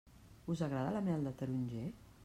Us agrada la mel de taronger?